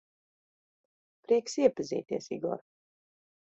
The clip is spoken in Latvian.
Prieks iepazīties, Igor.